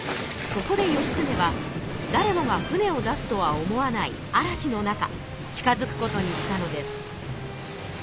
そこで義経はだれもが船を出すとは思わない嵐の中近づくことにしたのです。